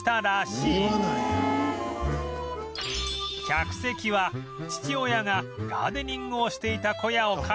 客席は父親がガーデニングをしていた小屋を改装